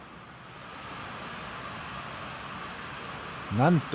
なんと！